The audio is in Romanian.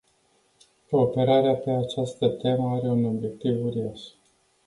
Cooperarea pe această temă are un obiectiv uriaș.